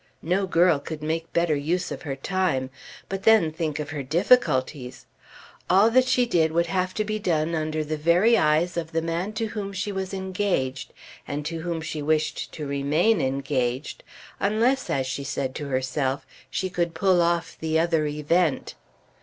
No girl could make better use of her time; but then, think of her difficulties! All that she did would have to be done under the very eyes of the man to whom she was engaged, and to whom she wished to remain engaged, unless, as she said to herself, she could "pull off the other event."